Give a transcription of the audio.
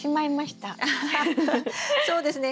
そうですね